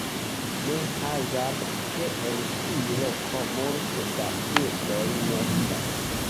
Ne hazarde, ke en tiu loko multe da birdoj nestas.